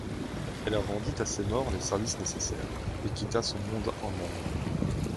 Elle rendit à ses morts les services nécessaires, et quitta son monde en ordre.